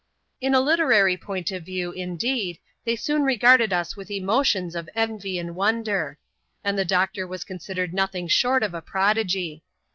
In a literary point of view, indeed, they soon I'egarded us with emotions of envy and wonder ; and the doctor was con sidered nothing short of a prodigy.